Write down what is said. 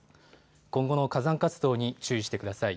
今後の火山活動に注意してください。